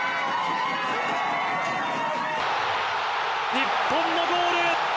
日本のゴール。